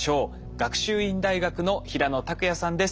学習院大学の平野琢也さんです。